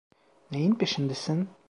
Neyin peşindesin?